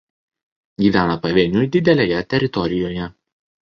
Gyvena pavieniui didelėje teritorijoje.